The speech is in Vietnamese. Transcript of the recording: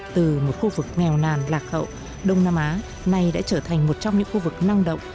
từ một khu vực nghèo nàn lạc hậu đông nam á nay đã trở thành một trong những khu vực năng động